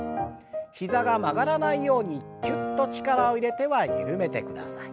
膝が曲がらないようにきゅっと力を入れては緩めてください。